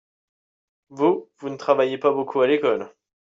Vous, vous ne travailliez pas beaucoup à l'école.